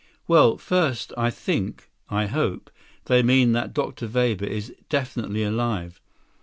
"Well, first, I think—I hope—they mean that Dr. Weber is definitely alive.